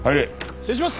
失礼します。